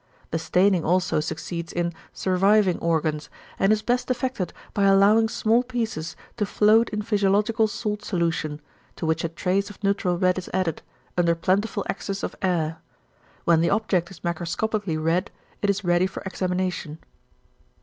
The staining also succeeds in "surviving" organs, and is best effected by allowing small pieces to float in physiological salt solution, to which a trace of neutral red is added, under plentiful access of air. When the object is macroscopically red it is ready for examination.